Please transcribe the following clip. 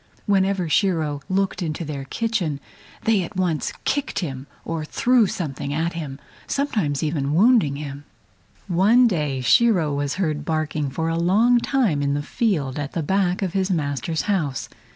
Whenever Shiro happened to look into their kitchen they at once kicked him or threw something at him, sometimes even wounding him. One day Shiro was heard barking for a long time in the field at the back of his master's house.